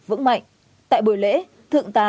vững mạnh tại buổi lễ thượng tá